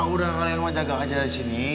udah kalian mau jaga aja disini